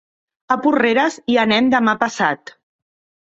A Porreres hi anem demà passat.